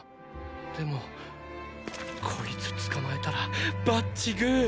でもこいつ捕まえたらバッチグー。